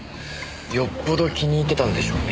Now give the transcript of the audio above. よっぽど気に入ってたんでしょうね。